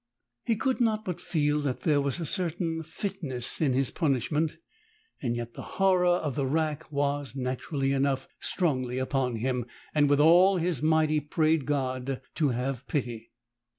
He could not but feel that there was a certain fitness in his punishment, yet the horror of the rack was, naturally enough, strongly upon him, and with all his might he prayed God to have pity.